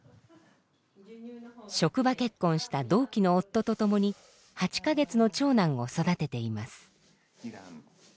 職場結婚した同期の夫と共に８か月の長男を育てています。